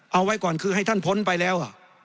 เอาไว้ก่อนคือให้ท่านพ้นไปแล้ว